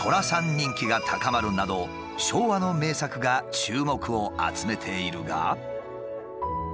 人気が高まるなど昭和の名作が注目を集めているが。